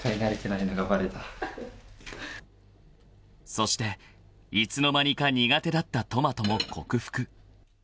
［そしていつの間にか苦手だったトマトも克服］